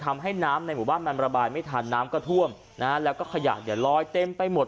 ทำให้น้ำในหมู่บ้านมันระบายไม่ทันน้ำก็ท่วมนะฮะแล้วก็ขยะเนี่ยลอยเต็มไปหมด